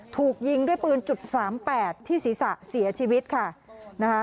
ถูกยิงด้วยปืนจุดสามแปดที่ศีรษะเสียชีวิตค่ะนะคะ